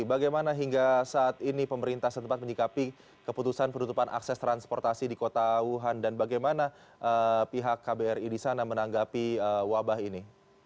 bagaimana hingga saat ini pemerintah setempat menyikapi keputusan penutupan akses transportasi di kota wuhan dan bagaimana pihak kbri di sana menanggapi wabah ini